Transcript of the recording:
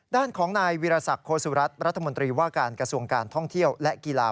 ด้านของนายวิรสักโคสุรัตนรัฐมนตรีว่าการกระทรวงการท่องเที่ยวและกีฬา